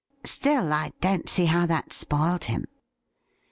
' Still, I don't see how that spoiled him.'